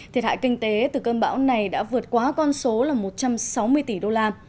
thiệt hại kinh tế từ cơn bão này đã vượt qua con số là một trăm sáu mươi tỷ đô la